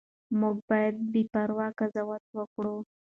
موږ باید بې پرې قضاوت وکړو.